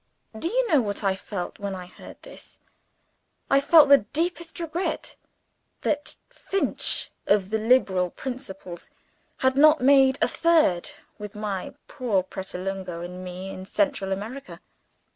(Do you know what I felt when I heard this? I felt the deepest regret that Finch of the liberal principles had not made a third with my poor Pratolungo and me in Central America.